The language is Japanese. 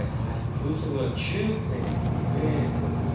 風速が９．２メートルです。